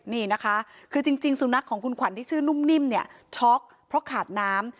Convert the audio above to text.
นี่นะคะคือจริงสุนัขของคุณขวัญที่ชื่อนุ่มนิ่มเนี่ยช็อกเพราะขาดน้ำ